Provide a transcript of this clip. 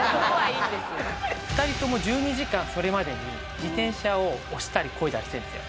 ２人とも１２時間それまでに自転車を押したりこいだりしてるんですよ。